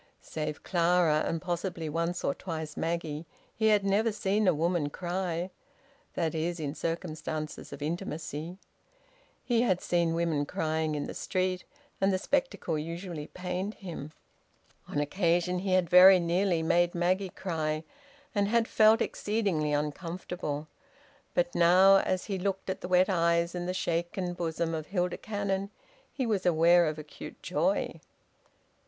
Save Clara, and possibly once or twice Maggie, he had never seen a woman cry that is, in circumstances of intimacy; he had seen women crying in the street, and the spectacle usually pained him. On occasion he had very nearly made Maggie cry, and had felt exceedingly uncomfortable. But now, as he looked at the wet eyes and the shaken bosom of Hilda Cannon, he was aware of acute joy.